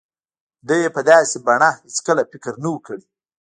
ده يې په داسې بڼه هېڅکله فکر نه و کړی.